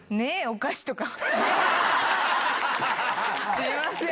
すいません。